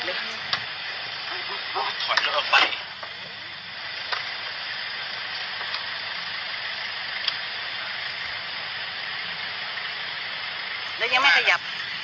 แล้วยังไม่ขยับ